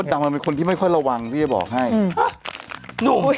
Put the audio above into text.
เต็มสตีมากเหมือนกัน